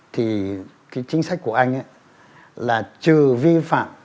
thì chính sách của anh là trừ vi phạm